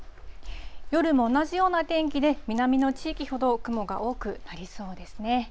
夜も同じような天気で南の地域ほど雲が多くなりそうですね。